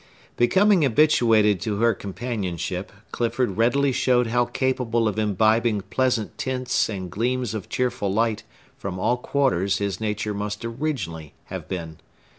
Becoming habituated to her companionship, Clifford readily showed how capable of imbibing pleasant tints and gleams of cheerful light from all quarters his nature must originally have been.